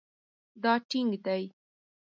دا ټینګ دی